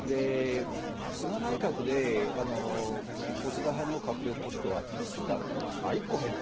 菅内閣で細田派の閣僚ポストは５つだったんですね。